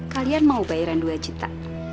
kalian mau bayaran dua juta